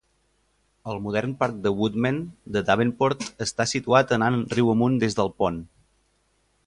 El modern parc de Woodmen de Davenport està situat anant riu amunt des del pont.